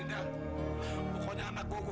jadi yang perlu